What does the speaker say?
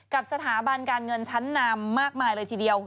กับสถาบันการเงินชั้นนำมากมายเลยทีเดียว